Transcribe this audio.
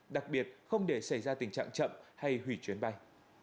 đặc biệt không để xảy ra tình trạng chậm hay hủy chuyến bay